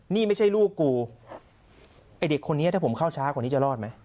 นี่ไม่ใช่ลูกกูไอ้เด็กคนนี้ถ้าผมเข้าช้ากว่านี้จะรอดไหม